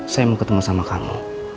saya mau ketemu sama kamu